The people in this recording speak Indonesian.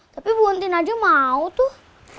tapi bu ontin aja mau tuh